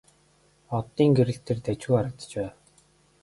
Оддын гэрэлд тэр дажгүй харагдаж байв.